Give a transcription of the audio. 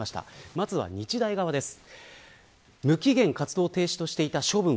まずは日大側です。